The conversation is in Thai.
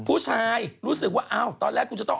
ผู้ชายรู้สึกว่าตอนแรกกูจะต้อง